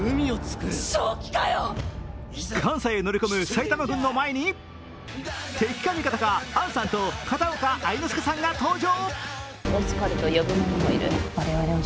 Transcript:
関西へ乗り込む埼玉軍の前に敵か味方か、杏さんと片岡愛之助さんが登場。